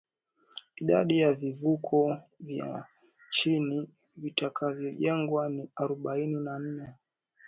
Idadi ya vivuko vya chini vitakavyojengwa ni arobaini na nne